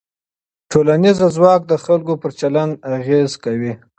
ټولنیز ځواک د خلکو پر چلند اغېز کوي.